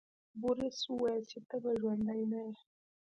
بوریس وویل چې ته به ژوندی نه یې.